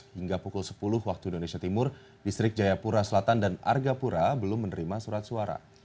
hingga pukul sepuluh waktu indonesia timur distrik jayapura selatan dan argapura belum menerima surat suara